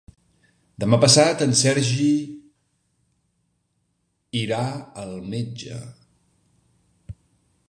Demà passat en Sergi irà al metge.